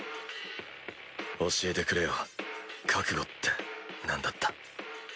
教えてくれよ覚悟ってなんだった？